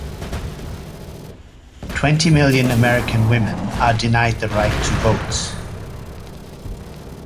Twenty million American Women are denied the right to vote.